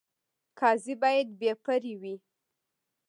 قاضي باید بې پرې وي